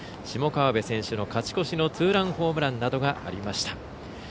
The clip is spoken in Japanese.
下川邊選手の勝ち越しのツーランホームランなどがありました。